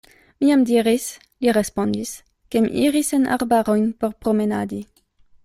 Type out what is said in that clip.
Mi jam diris, li respondis, ke mi iris en arbarojn por promenadi.